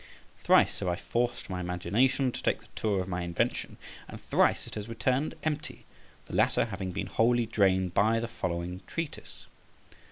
Thrice have I forced my imagination to take the tour of my invention, and thrice it has returned empty, the latter having been wholly drained by the following treatise.